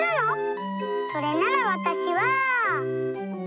それならわたしは。